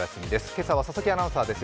今朝は佐々木アナウンサーです。